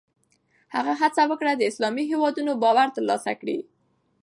هغه هڅه وکړه د اسلامي هېوادونو باور ترلاسه کړي.